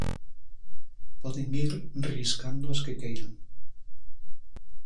Poden ir riscando as que queiran.